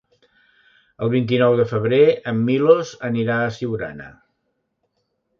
El vint-i-nou de febrer en Milos anirà a Siurana.